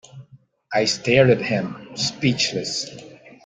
I stared at him, speechless.